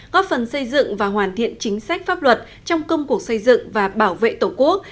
góp phần xây dựng và hoàn thiện chính sách pháp luật trong công cuộc xây dựng và bảo vệ tổ quốc